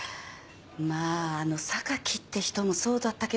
まああの榊って人もそうだったけど。